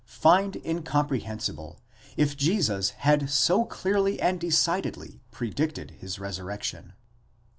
find incomprehensible, if Jesus had so clearly and decidedly predicted his resurrection.